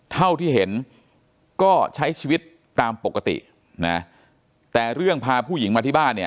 เท่าที่เห็นก็ใช้ชีวิตตามปกตินะแต่เรื่องพาผู้หญิงมาที่บ้านเนี่ย